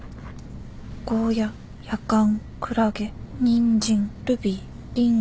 ゴーヤやかんクラゲニンジンルビーリンゴ。